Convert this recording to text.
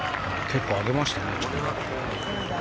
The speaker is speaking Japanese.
結構上げましたね。